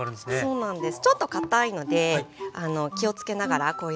そうなんです。